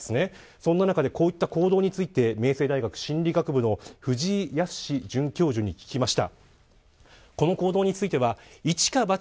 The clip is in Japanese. そんな中で、こういった行動について、明星大学心理学部の藤井靖准教授に聞きました。